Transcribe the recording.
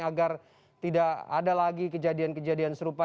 agar tidak ada lagi kejadian kejadian serupa